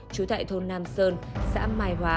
chú tại thôn nam sơn xã mài hóa